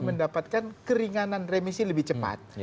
mendapatkan keringanan remisi lebih cepat